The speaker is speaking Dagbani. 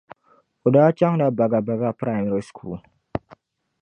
O daa chaŋla Bagabaga primary school.